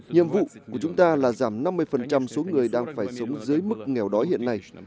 nhiệm vụ của chúng ta là giảm năm mươi số người đang phải sống dưới mức nghèo đói hiện nay